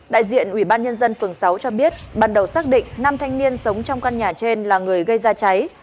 đại diện ubnd phường sáu cho biết ban đầu xác định năm thanh niên sống trong căn nhà trên là người gây ra cháy